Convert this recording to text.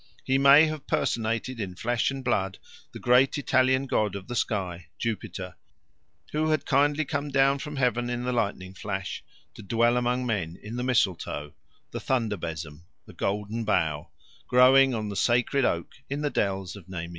He may have personated in flesh and blood the great Italian god of the sky, Jupiter, who had kindly come down from heaven in the lightning flash to dwell among men in the mistletoe the thunder besom the Golden Bough growing on the sacred oak in the dells of Nemi.